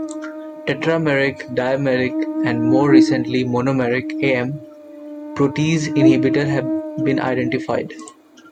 Tetrameric, dimeric, and, more recently, monomeric aM protease inhibitors have been identified.